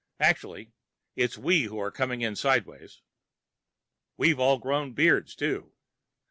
Actually, it's we who are coming in sideways. We've all grown beards, too.